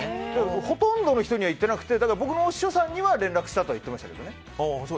ほとんどの人には言ってなくて僕も有吉さんには連絡したと言ってましたけどね。